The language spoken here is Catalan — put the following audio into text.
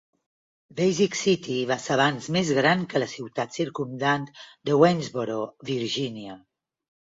Basic City va ser abans més gran que la ciutat circumdant de Waynesboro, Virgínia.